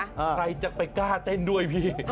ใครจะไปกล้าเต้นด้วยพี่